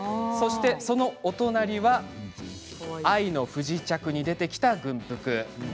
そのお隣は「愛の不時着」に出てきた軍服です。